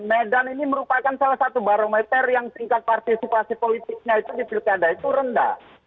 medan ini merupakan salah satu barometer yang tingkat partisipasi politiknya itu di pilkada itu rendah